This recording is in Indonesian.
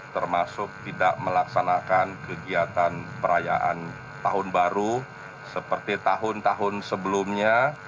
termasuk tidak melaksanakan kegiatan perayaan tahun baru seperti tahun tahun sebelumnya